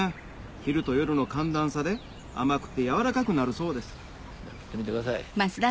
昼と夜の寒暖差で甘くて柔らかくなるそうです見てください。